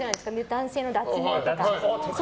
男性の脱毛とか。